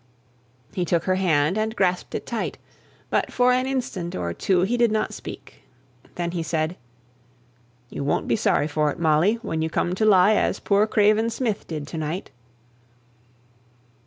'" He took her hand, and grasped it tight; but for an instant or two he did not speak. Then he said, "You won't be sorry for it, Molly, when you come to lie as poor Craven Smith did to night."